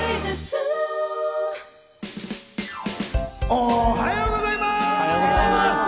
おはようございます。